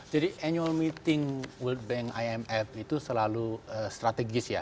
jadi annual meeting world bank imf itu selalu strategis ya